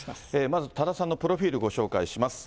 まず多田さんのプロフィール、ご紹介します。